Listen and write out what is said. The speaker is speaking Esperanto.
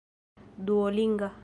duolinga